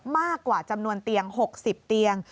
มากกว่าจำนวนเตียง๖๐เตียง